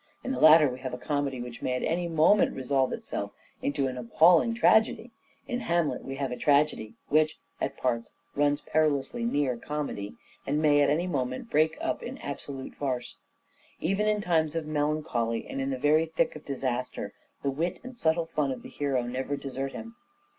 In the latter we have a comedy which may at any moment resolve itself into an appalling tragedy. In " Hamlet " we have a tragedy which, at parts, runs perilously near comedy, and may at any moment break up in absolute farce. Even in times of melancholy and in the very thick of disaster the wit and subtle fun of the hero never desert him.